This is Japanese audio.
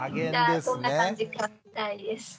どんな感じか聞きたいです。